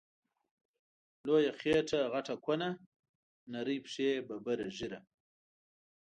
لویه خیټه غټه کونه، نرۍ پښی ببره ږیره